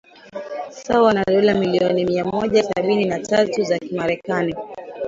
sawa na dola milioni mia mmoja sabini na tatu za kimarekani